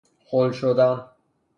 خل شدن